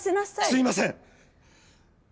すみません！